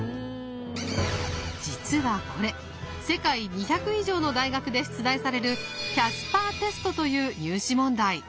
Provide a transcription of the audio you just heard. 実はこれ世界２００以上の大学で出題されるキャスパーテストという入試問題。